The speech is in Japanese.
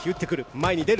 前に出る。